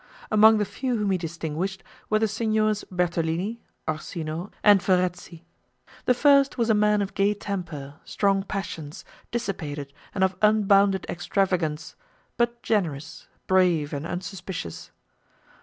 Among the few whom he distinguished, were the Signors Bertolini, Orsino, and Verezzi. The first was a man of gay temper, strong passions, dissipated, and of unbounded extravagance, but generous, brave, and unsuspicious.